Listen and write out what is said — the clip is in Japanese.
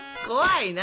怖い！